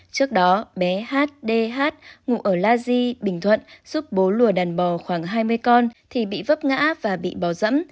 trước đó bé hdh ngụ ở la di bình thuận giúp bố lùa đàn bò khoảng hai mươi con thì bị vấp ngã và bị bò dẫm